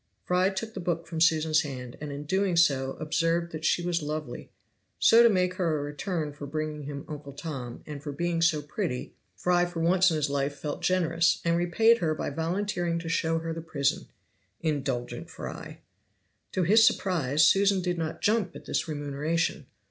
Fry took the book from Susan's hand, and in so doing observed that she was lovely; so to make her a return for bringing him "Uncle Tom," and for being so pretty, Fry for once in his life felt generous, and repaid her by volunteering to show her the prison indulgent Fry! To his surprise Susan did not jump at this remuneration.